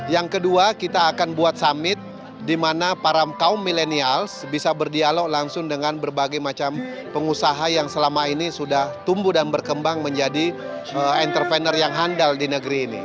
yang kedua kita akan buat summit di mana para kaum milenials bisa berdialog langsung dengan berbagai macam pengusaha yang selama ini sudah tumbuh dan berkembang menjadi entrepreneur yang handal di negeri ini